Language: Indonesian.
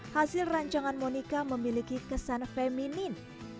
hasil rancangan monica memiliki kesan feminin